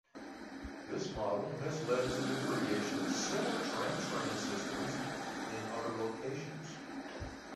This model has led to the creation of similar tram-train systems in other locations.